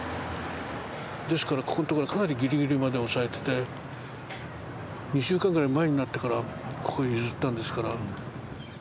ですからここのところはかなりギリギリまで押さえてて２週間ぐらい前になってからここを譲ったんですから。